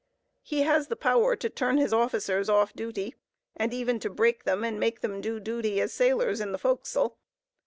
He has the power to turn his officers off duty, and even to break them and make them do duty as sailors in the forecastle.